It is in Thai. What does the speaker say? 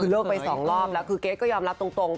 คือเลิกไป๒รอบแล้วคือเกรทก็ยอมรับตรง